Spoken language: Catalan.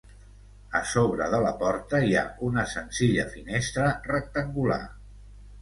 A sobre de la porta hi ha una senzilla finestra rectangular.